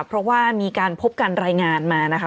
เพราะว่ามีการพบการรายงานมานะคะ